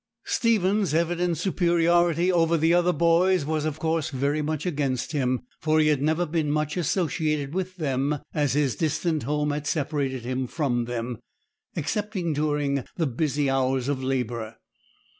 Stephen's evident superiority over the other boys was of course very much against him; for he had never been much associated with them, as his distant home had separated him from them excepting during the busy hours of labour.